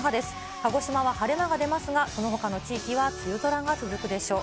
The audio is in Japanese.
鹿児島は晴れ間が出ますが、そのほかの地域は梅雨空が続くでしょう。